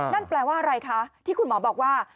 นั่นแปลว่าอะไรคะที่คุณหมอบอกว่า